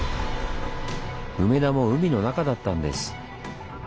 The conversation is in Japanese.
梅田も海の中だったんです。